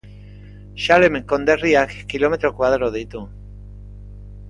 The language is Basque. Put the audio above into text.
Salem konderriak kilometro koadro ditu.